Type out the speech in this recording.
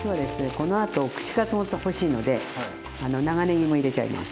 このあと串カツほんと欲しいので長ねぎも入れちゃいます。